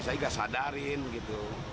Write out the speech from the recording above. saya juga sadarin gitu